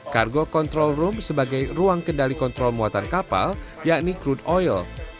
kargo control room sebagai ruang kendali kontrol muatan kapal yakni crude oil